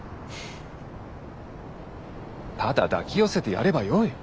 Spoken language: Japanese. ただ抱き寄せてやればよい。